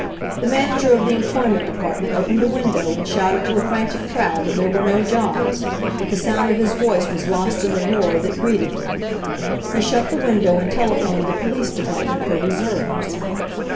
The manager of the employ ment department opened a window and shouted to the frantic crowd that there were no jobs, but the sound of his voice was lost in the roar that greeted him. He shut the window and telephoned the police department for reserves.